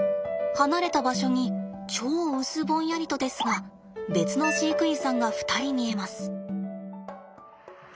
離れた場所に超うすぼんやりとですが別の飼育員さんが２人見えます。